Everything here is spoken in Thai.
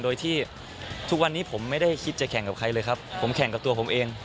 โดยที่ทุกวันนี้ผมไม่ได้คิดจะแข่งกับใครเลยครับผมแข่งกับตัวผมเอง